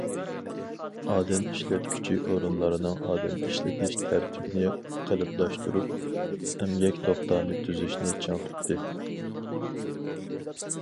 ئادەم ئىشلەتكۈچى ئورۇنلارنىڭ ئادەم ئىشلىتىش تەرتىپىنى قېلىپلاشتۇرۇپ، ئەمگەك توختامى تۈزۈشنى چىڭ تۇتتى.